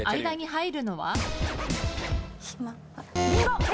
間に入るのは？